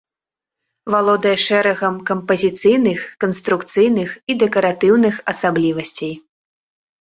Валодае шэрагам кампазіцыйных, канструкцыйных і дэкаратыўных асаблівасцей.